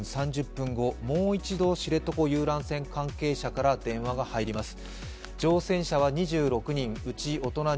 ３０分後、もう一度知床遊覧船関係者から電話が入ります。